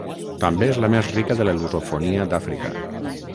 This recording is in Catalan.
També és la més rica de la lusofonia d'Àfrica.